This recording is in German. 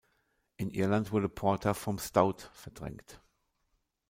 In Irland wurde Porter vom Stout verdrängt.